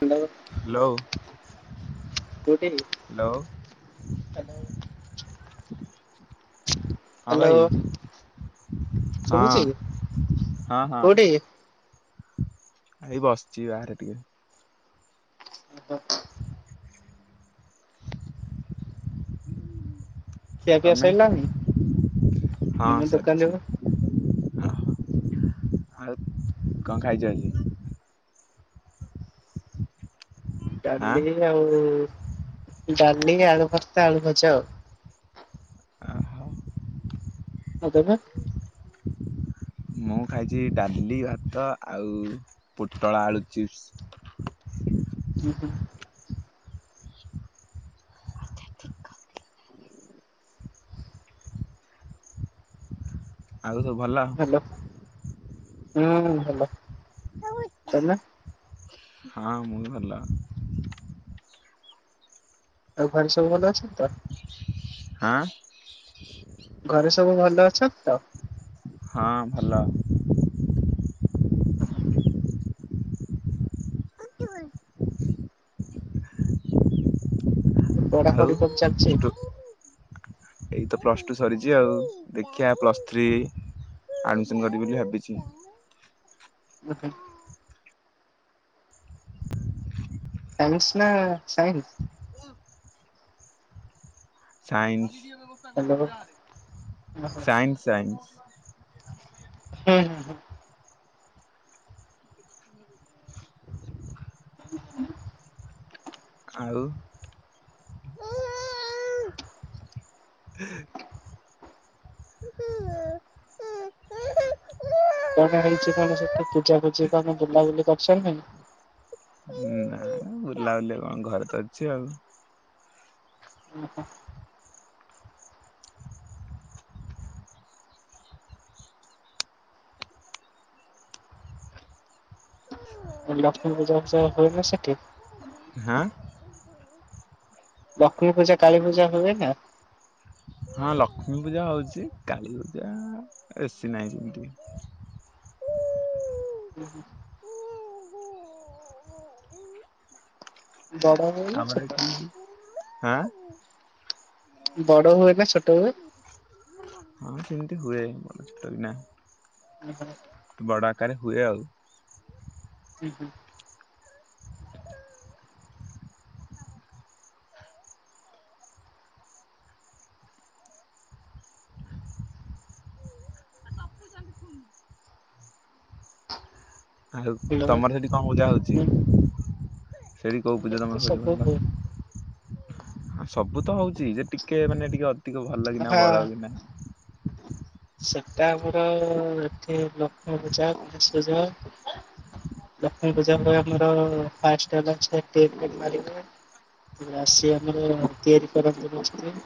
Hello. Hello. କୋଉଠି? Hello. [inaudible] ହଁ ଭାଇ ହ୍ୟାଲୋ ହଁ ଶୁଭୁଛି ହଁ ହଁ। କୋଉଠି? ଏଇ ବସିଚି ବାହାରେ ଟିକେ। ଅ ହ। ଖିଆ ପିଆ ତମେ ସରିଲାଣି? ହଁ ମୁଁ ସରିିଚି। ଦୋକାନରେ ଓହୋ ଆଉ କଣ ଖାଇଛ ଆଜି? ଆଁ ଡାଲି ଆଉ ଡାଲି ଆଳୁଭର୍ତ୍ତା ଆଳୁ ଭଜା ଆଉ। ଓହୋ ଆଉ ତମେ। ମୁଁ ଖାଇଚି ଡାଲି ଭାତ ଆଉ ପୋଟଳ ଆଳୁ ଚିପ୍ସ। ହୁଁ ହୁଁ। [unintelligible] ଆଉ ସବୁ ଭଲ। ହୁଁ ଭଲ ତମେ। ହଁ ମୁଁ ବି ଭଲ। ଆଉ ଘରେ ସବୁ ଭଲ ଅଛନ୍ତି ତ। ହଁ। ଘରେ ସବୁ ଭଲ ଅଛନ୍ତି ତ। ହଁ ଭଲ। ହୁଁ। ଆଉ ପଢାପଢି କଣ ଚାଲିଛି? [unintelligible] ଏଇ ତ ପ୍ଲସ ଟୁ ସରିଚି ଆଉ ଦେଖିଆ ପ୍ଲସ୍ ଥ୍ରୀ ଆଡମିସନ କରିବି ବୋଲି ଭାବିଚି। ଉ ହୁଁ। ସାଇନ୍ସ ନା ସାଇନ୍ସ। ସାଇନ୍ସ ହ୍ୟାଲୋ ଓହୋ ସାଇନ୍ସ ହୁଁ ସାଇନ୍ସ। ହୁଁ ହୁଁ। ଆଉ [inaudible] [unintelligible] କଣ ହେଇଛି କଣ ସେଠି ପୂଜା ଫୂଜିି କିଛି ବୁଲାବୁଲି କରିଛ ନାଇଁ। ନା ବୁଲାବୁଲି ଆଉ କଣ ଘରେ ତ ଅଛି ଆଉ। ଓହୋ [unintelligible] ଏ ଲକ୍ଷ୍ମୀ ପୂଜା ଫୁଜା ହୁଏ ନା ସେଠି ହାଁ। ଲକ୍ଷ୍ମୀ ପୂଜା କାଳୀ ପୂଜା ହୁଏ ନା। ହଁ ଲକ୍ଷ୍ମୀ ପୂଜା ହଉଚି କାଳୀ ପୂଜା ବେଶୀ ନାହିଁ ଏମିତି। ହୁଁ ହୁଁ। [unintelligible] ବଡ଼ ହୁଏ ନା ଛୋଟ। ଆଁ। ବଡ ହୁଏ ନା ଛୋଟ ହୁଏ। ହଁ ସେମିତି ହୁଏ ବଡ଼ ଛୋଟ ବିନା ଓହୋ ବଡ ଆକାରରେ ହୁଏ ଆଉ। ହୁଁ ହୁଁ। ଆଉ ତମର ସେଠି କଣ ପୂଜା ହଉଚି। ସେଠି କଉ ପୁଜା ତ ହୁଏ ଯେ ସବୁ ତମର ଭଲ। ସବୁ ତ ହଉଛି ଯେ ଟିକେ ମାନେ ଟିକେ ଅଧିକ ଭଲ କିନା ବଡ ହଁ। କିନା। ସେଟା ପୁରା ଏଠି ଲକ୍ଷ୍ମୀ ପୂଜା ଗଣେଶ ପୂଜା। ଲକ୍ଷ୍ମୀ ପୂଜା ଭ ଆମର [unintelligible] ଆସି ଆମର ତିଆରି କରନ୍ତି ମସ୍ତେ।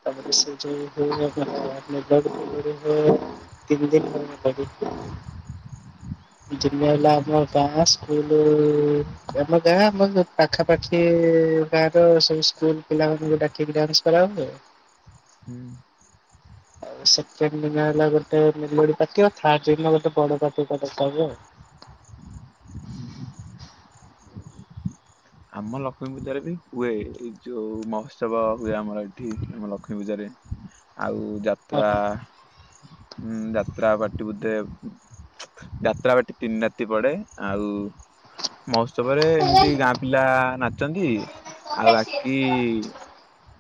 ତାପରେ ସେଇଠ ହ ଆ ଦତିନ ଦିନ ଦ ଜମ ହେଲା ଆମର ପା ସ୍କୁଲ ଆମ ଗାଁ ଆମ ପାଖାପାଖି ଗାଁ ର ସବୁ ସ୍କୁଲ ପିଲାମାନଙ୍କୁ ଡାକିକି କରାହୁଏ। ହୁଁ। ଆଉ ସେକେଣ୍ଡ ଦିନ ହେଲା ଗୋଟେ ମୋଡିଟି ଦିନ ଗୋଟେ ବଡଟି ଦରବ ଆଉ ଆମ ଲକ୍ଷ୍ମୀ ପୂଜାରେ ବି ହୁଏ ଏ ଯୋଉ ମହୋତ୍ସବ ହୁଏ ଆମର ଏଠି ଆମ ଲକ୍ଷ୍ମୀ ପୂଜାରେ। ଆଉ ଯାତ୍ରା ଓହୋ। ଯାତ୍ରା ପାର୍ଟି ବୋଧେ। ଯାତ୍ରା ବାଟି ତିନି ରାତି ପଡେ ଆଉ ମହୋତ୍ସବରେ ହଁ ଏମିତି ଗାଁ ପିଲା ନାଚନ୍ତି ଆଉ ବାକି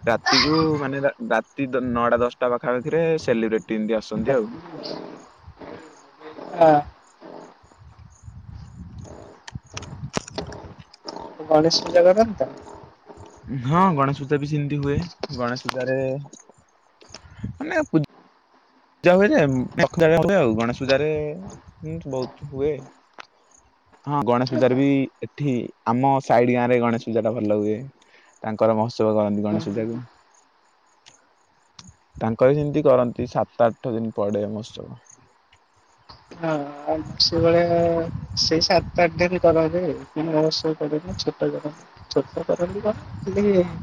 ରାତିକୁୁ ମାନେ ରାତି ନଅଟା ଦଶଟା ପାଖାପାଖିରେ ସେଲିବ୍ରେଟି ଏମିତି ଆସନ୍ତି ଆଉ। ଗଣେଶ ପୂଜା କରନି ତ? ହଁ ଗଣେଶ ପୂଜା ବି ସେମିତି ହୁଏ ଗଣେଶ ପୂଜାରେ ମାନେ ପୂଜା ପୂଜା ହୁଏ ଯେ ପୂଜ ହୁଏ ଆଉ ଗଣେଶ ପୂଜ ରେ ବହୁତ ହୁଏ। ହଁ ଗଣେଶ ପୂଜାରେ ବି ଏଠି ଆମ ସାଇଡ ଗାଁ ରେ ଗଣେଶ ପୂଜା ଟା ଭଲ ହୁଏ। ତାଙ୍କର ମହୋତ୍ସବ କରନ୍ତି ହୁଁ ଗଣେଶ ହୁଁ ପୂଜାକୁ। ତାଙ୍କ ବି ସେମିତି କରନ୍ତି ସାତ ତଠ ଦିନ ପରେେ ମସ୍ତବ। ଆ ସେବେଆ ସେଇ ସାତ ଆଠ ଦିନ କରନ୍ତି ଅବଶ୍ୟ କରନି ଛୋଟ କରନ୍ତି। ଛୋଟ କରନ୍ତି [unintelligible]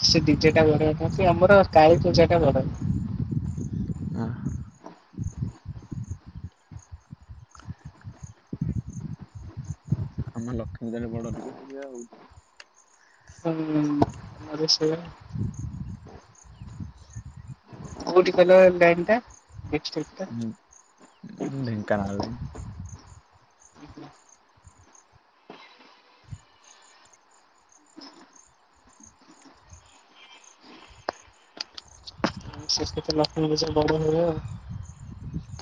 ସେ ଡିଜେଟା ବଢିବ କତି ଆମର କାଳିୀ ପୂଜା ଟା ବଢ। ହ। ଆମ ଲକ୍ଷ୍ମୀ ପୂଜା ଟ ବଡ ଟିକେ ହୁଏ ଆଉ। [inaudible] ଆ ସେ। [inaudible] କୋଉଠି କହିଲ ଏ ବ୍ୟାଙ୍କ୍ ଟା? ଢେଙ୍କାନାଳ। [inaudible] ସେ କଷତ୍ର ଲକ୍ଷ୍ଣୀ ବଡ ହୁଏ ଆଉ।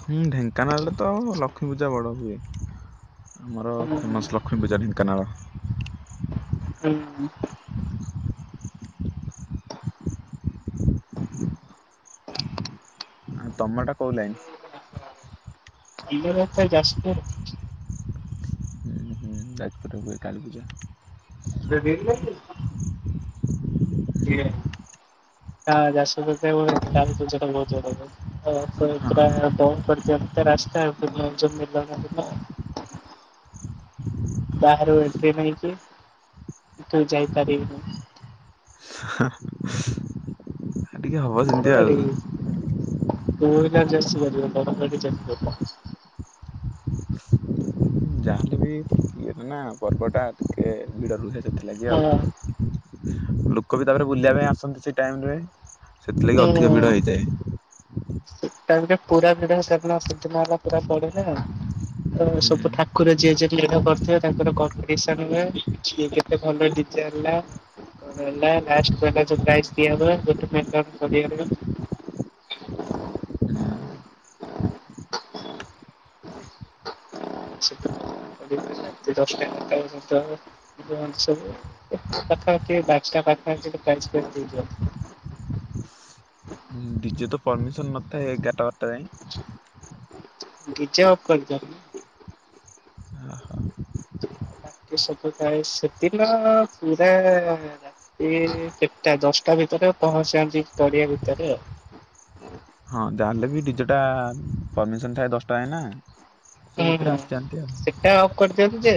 ହୁଁ ଢେଙ୍କାନାଳରେ ତ ଲକ୍ଷ୍ମୀ ପୂଜା ବଡ ହୁଏ। ଆମର ହୁଁ ଫେମସ ଲକ୍ଷ୍ମୀ ପୂଜା ଢେଙ୍କାନାଳ। ହୁଁ। ଆଉ ତମ ଟା କହୁ ଲାଇନ୍। ନିଜ ରାସ୍ତା ଯାଜପୁର। ହଁ ଯାଜପୁରରେ ହୁଏ କାଳୀ ପୂଜା। [unintelligible] ଦେଇଥିଲା [unintelligible] [unintelligible] ହଁ [unintelligible] ବାହାରୁ ଏଣ୍ଟ୍ରି ମାଇକି ତୁ ଯାଇପାରିବୁ। ହ। ଘର ଆଉ। ଗାଡି [unintelligible] ଇଏଟ ନା ପର୍ବ ଟା ଟିକେ ଭିଡ ରୁହେ ସେଥିଲାଗି ଆଉ। ହଁ। ଲୋକ ବି ତାପରେ ବୁଲିବା ପାଇଁ ଆସନ୍ତି ସେଇ ଟାଇମ ରେ। ସେଥିଲାଗି ହୁଁ ଅଧିକ ଭିଡ ହେଇଥାଏ। ସେ ଟାଇମ ରେ ପୁରା ବିଡ ସେଦିନ ହେଲା [inaudible] ପୁରା ପଡିବେ ଆଉ। ହୁଁ। ସବୁ ଠାକୁର ଯିଏ ଯିମିତି [inaudible] କରିିଥିବେ ତାଙ୍କର କମ୍ପିଟିସନ ହୁଏ। ସିଏ କେତେ ଭଲ ଦିଚାରିଲା। ହେ [unintelligible] ଲା ଏଗ୍ରିମେଣ୍ଟ ଦ ଟ [unintelligible] ଯ ସବୁ ପାଖାଖିଟା ପାଖାଅ [unintelligible] ଡିଜେ ତ ପରମିଶନ ନଥାଏ ଏଗାରଟା ବାରଟା ଯାଏଁ। ଡ଼ିଜେ ଅଫ୍ କରିଦିଅ। ଓ ହୋ। ବାକି ସବୁ ଥାଏ ସେଦିନ ପୁରା ଆ ସେ କେତଟା ଦଶଟା ଭିତରେ ପହଞ୍ଚିଥାନ୍ତି ପଡ଼ିଆ ଭିତରେ ଆଉ। ହଁ ଯାହାହେଲେ ବି ଡିଜେଟା ପରମିସନ୍ ଥାଏ ଦଶଟା ଯାଏଁନା। ହୁଁ ହୁଁ ସେଟା ଅଫ୍ କରିଦିଅନ୍ତି ଯେ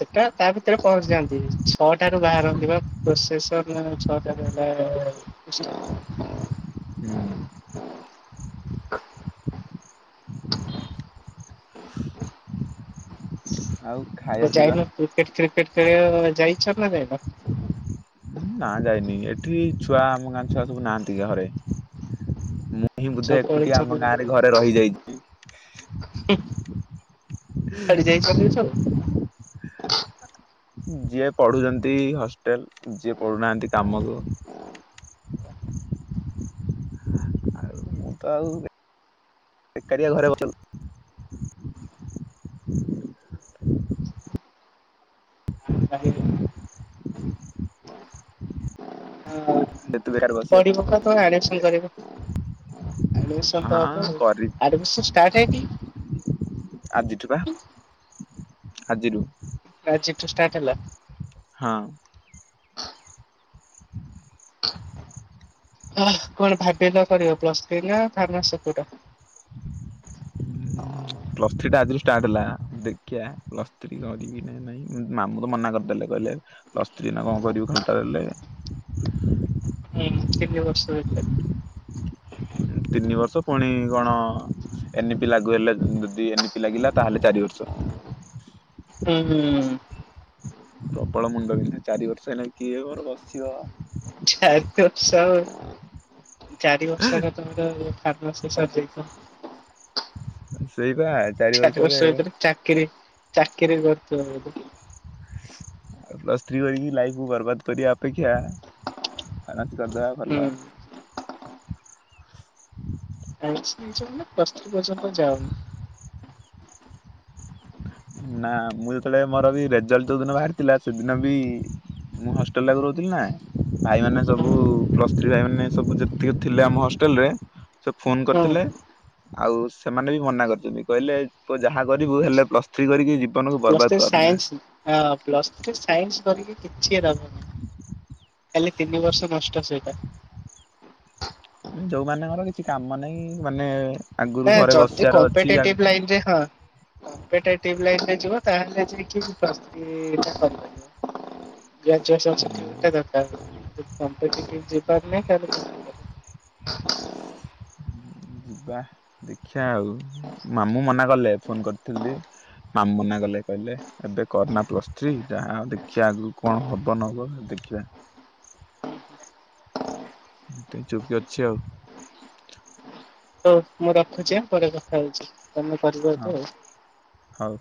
ସେଟା ତା ଭିତରେ ପହଞ୍ଚି ଯାଆନ୍ତି। ଛଅଟାରୁ ବାହାରନ୍ତି ବା ପ୍ରୋସେସନ ଛଅଟା ର ହେଲା ହଁ ହୁଁ। ଆଉ। ଖାଇବା ତୁ ପିଇବା ଯାଇନୁ କ୍ରିକେଟ ଫ୍ରିକେଟ ଖେଳ ଯାଇଛ ନା ଯାଇନ? ନାଁ ଯାଇନି ଏଠି ଛୁଆ ଆମ ଗାଁ ଛୁଆ ସବୁ ନାହାନ୍ତି ଘରେ ମୁଁ ମୁଁ ବୁଧେ ସବୁ ଏକୁଟିଆ ଆମ ଗାଁରେ ଘରେ ରହିଯାଇଥିଲି। ହୁଁ କୁଆଡ଼େ ଯାଇଛନ୍ତି ସବୁ। ଯିଏ ପଢୁଛନ୍ତି ହଷ୍ଟେଲରେ ଯିଏ ପଢୁନାହାନ୍ତି କାମକୁ ଓ ମୁଁ ତ ଆଉ ବେକାରିଆ ଘରେ ବସିଲ ହୁଁ ଆ ଦେ ପଢିବପରା ତମେ ଆଡମିସନ କରିବ। ଆଡ୍ମିସନ ତ ହଁ ହବ କରି ଆଡମିସନ ଷ୍ଟାଟ୍ ହେଇନି। ଆଜିଠୁ ବା ଆଜି ରୁ ଆଜିଠୁ ଷ୍ଟାର୍ଟ ହେଲା। ହଁ। ଅ କଣ ଭାବିଲ କରିବ ପ୍ଲସ୍ ଥ୍ରୀ ନା ଫାର୍ମାସୀ କୋଟା ହଁ ପ୍ଲସ୍ ଥ୍ରୀ ଟା ଆଜିଠୁ ଷ୍ଟାର୍ଟ ହେଲା ଦେଖିବା ପ୍ଲସ୍ ଥ୍ରୀି କରିବି ନା ନାଇଁ ମାମୁଁ ତ ମନା କରିଦେଲେ କହିଲେ ପ୍ଲସ୍ ଥ୍ରୀ ନା କଣ କରିବୁ ଖାଲଟା ହେଲେ ହୁଁ ତିନି ବର୍ଷ ବେକାର। ତିନି ବର୍ଷ ପୁଣି କଣ ଏ ନି ପି ଲାଗୁ ହେଲେ ଯଦି ଏ ନି ପି ଲାଗିଲା ତାହେଲେ ଚାରି ବର୍ଷ। ହୁଁ ହୁଁ। ପ୍ରବଳ ମୁଣ୍ଡ ବିନ୍ଧୁଚି ଚାରି ବର୍ଷ ଏଇନା କିଏ ଘରେ ବସିଅ। ଚାରି ବର୍ଷ ଚାରି ବର୍ଷରେ ତୋମେ ଫାର୍ମାସିସ୍ ସିରିଯାଇଥିବ। ସେଇବା ଚାରି ବର୍ଷ ଭିତରେ ଚାକିରି ଚାକିରି କରୁଥିବ। ଆ ପ୍ଲସ୍ ଥ୍ରୀ କରିକି ଲାଇଫକୁ ବର୍ବାଦ କରିବା ଅପେକ୍ଷା ଫାର୍ମାସୀ କରିଦବା ଭଲ। ହୁଁ ସାଇନ୍ସ ପ୍ଲସ୍ ଥ୍ରୀ ପର୍ଯ୍ୟନ୍ତ ଯାଅନି। ନା ମୁଁ ଯେତେବେଳେ ମୋର ବି ରେଜଲ୍ଟ ଯୋଉ ଦିନ ବାହାରିଥିଲା ସେଦିନ ବି ମୁଁ ହଷ୍ଟେଲ ରାକୁ ରହୁଥିଲି ନା ଭାଇମାନେ ହଁ ସବୁ ପ୍ଲସ ଥ୍ରୀ ଭାଇ ମାନେ ସବୁ ଯେତିକ ଥିଲେ ଆମ ହଷ୍ଟେଲ ରେ ସବୁ ଫୋନ ହଁ କରିଥିଲେ ଆଉ ସେମାନେ ବି ମନା କରିଛନ୍ତି କହିଲେ ତୁ ଯାହା କରିବୁ ହେଲେ ପ୍ଲ ଥ୍ରୀ କରିକି ଜୀବନକୁ ପ୍ଲସ୍ ବର୍ବାଦ ଥ୍ରୀ କରନା। ସାଇନ୍ସ ହଁ ପ୍ଲସ୍ ଥ୍ରି ସାଇନ୍ସ କରିକି କିଛି ଦବନି। ହେଲି ତିନି ବର୍ଷ ନଷ୍ଟ ସେଇଟା। ଯୋଉମାନଙ୍କର କିଛି କାମ ନାହିଁ ମାନେ ଆଗରୁ ହେ ଘରେ ଯଦି ବସିବାର ଅଛି କମ୍ପିେଟିଟିଭ ଆଗକୁ ହୁଁ ଲାଇନରେ ହଁ କମ୍ପିେଟିଟିଭ ଲାଇନ୍ରେ ଯିବ ତାହେଲେ ଯାଇକି ପ୍ରସ୍ ଥ୍ରି କରିପାରିବ। ଗ୍ରଜୁଏସନ୍ ସାଠିଫିକେଟ୍ ଟା ଦରକାର କମ୍ପିେଟିଟିଭ ରେ ଯିବାର ନାଇଁ ତାହେଲେ ଯିବା ଦେଖିବା ଆଉ ମାମୁଁ ମନା କଲେ ଫୋନ କରିଥିଲି। ମାମୁଁ ମନା କଲେ କହିଲେ ଏବେ କରନା ପ୍ଲସ୍ ଥ୍ରୀ ଯାହା ହବ ଦେଖିବା ଆଗକୁ କଣ ହବ ନହବ ଦେଖିବା। ଏତ ଚୁପି କି ଅଛି ଆଉ। ହଉ ମୁଁ ରଖୁଛି ଆଁ ପରେ କଥା ହଉଛି ତମେ କରିବ ହଁ ତୁ ଆଉ। ହଉ।